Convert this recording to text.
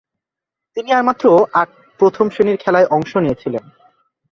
তিনি আর মাত্র আটট প্রথম-শ্রেণীর খেলায় অংশ নিয়েছিলেন।